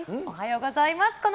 おはようございます。